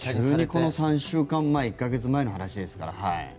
急にこの３週間１か月前の話ですから。